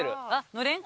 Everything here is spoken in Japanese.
のれん？